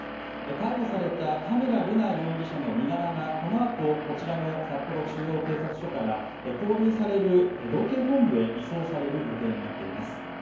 逮捕された田村瑠奈容疑者の身柄がこのあとこちらの札幌中央警察署から拘留される道警本部へ移送されることになっています。